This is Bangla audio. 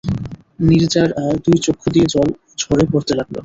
নীরজার দুই চক্ষু দিয়ে জল ঝরে পড়তে লাগল।